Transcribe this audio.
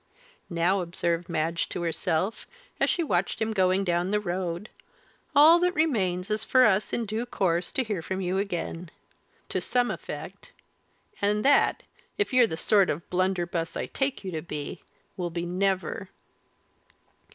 "Now," observed Madge to herself, as she watched him going down the road, "all that remains, is for us in due course to hear from you again to some effect and that, if you're the sort of blunderbuss I take you to be, will be never."